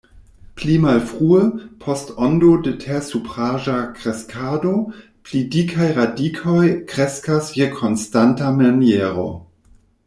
Pli malfrue, post ondo de tersupraĵa kreskado, pli dikaj radikoj kreskas je konstanta maniero.